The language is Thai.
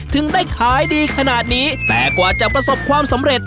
ถึงได้ขายดีขนาดนี้แต่กว่าจะประสบความสำเร็จ